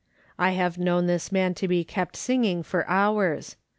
I have known this man to be kept singing for hours.